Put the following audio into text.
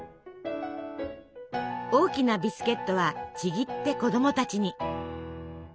大きなビスケットはちぎって子どもたちに。